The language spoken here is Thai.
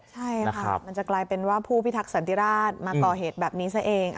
ใช่ค่ะมันจะกลายเป็นว่าผู้พิทักษันติราชมาก่อเหตุแบบนี้ซะเอง